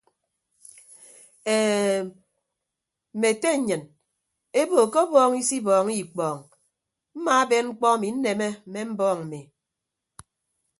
Eem mme ete nnyịn ebo ke ọbọọñ isibọọñọ ikpọọñ mmaaben mkpọ emi nneme mme mbọọñ mmi.